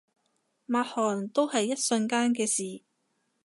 抹汗都係一瞬間嘅事